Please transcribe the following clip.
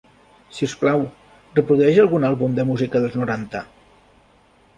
Sisplau, reprodueix algun àlbum de música dels noranta.